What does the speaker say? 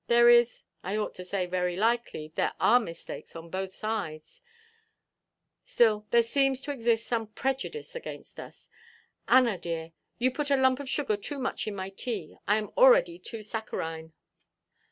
There is—I ought to say, very likely, there are mistakes on both sides—still there seems to exist some prejudice against us.—Anna, dear, you put a lump of sugar too much in my tea. I am already too saccharine."